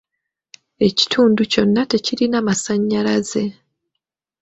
Ekitundu kyonna tekirina masanyalaze.